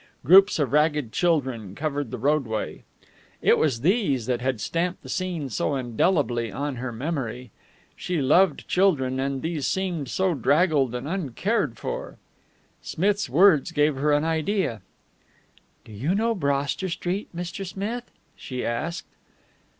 Groups of ragged children covered the roadway. It was these that had stamped the scene so indelibly on her memory. She loved children, and these seemed so draggled and uncared for. Smith's words gave her an idea. "Do you know Broster Street, Mr. Smith?" she asked.